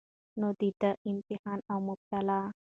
نو د ده امتحان او مبتلاء